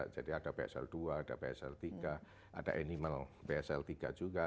jadi ada bsl dua ada bsl tiga ada animal bsl tiga juga